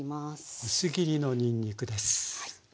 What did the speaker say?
薄切りのにんにくです。